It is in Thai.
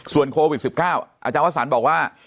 ส่วนโควิด๑๙อาจารย์วสันบอกว่า